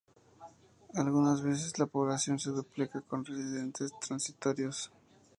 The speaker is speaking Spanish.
Algunas veces la población se duplica con residentes transitorios.